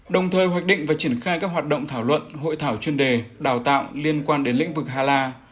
đồng thời hoạch định và triển khai các hoạt động thảo luận hội thảo chuyên đề đào tạo liên quan đến lĩnh vực hà la